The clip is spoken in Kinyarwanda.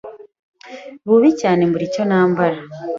bubi cyane mbura icyo nambara